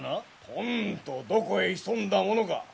とんとどこへ潜んだものか。